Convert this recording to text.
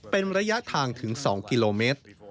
เป็นระยะทางถึง๒กิโลเมตร